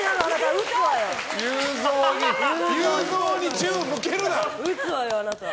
撃つわよ、あなた。